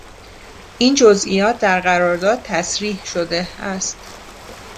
این جزئیات در قرارداد تصریح شده است.